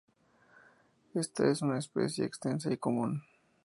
Esta es una especie extensa y común.